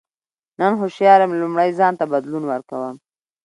نن هوښیار یم لومړی ځان ته بدلون ورکوم.